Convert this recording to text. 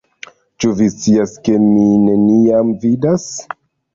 Ĉu vi scias, ke mi neniam vidas